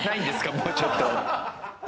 もうちょっと。